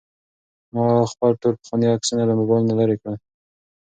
ما خپل ټول پخواني عکسونه له موبایل نه لرې کړل.